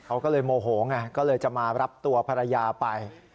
เขาก็เลยโมโหไงก็เลยจะมารับตัวภรรยาไป